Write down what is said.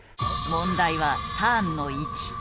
問題はターンの位置。